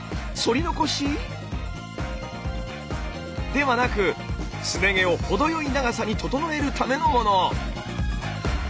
そり残し？ではなくすね毛を程よい長さに整えるためのもの。